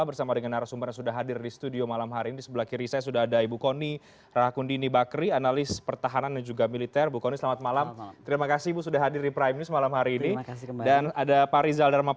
tentang susunan organisasi tni